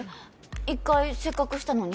一回せっかくシたのに？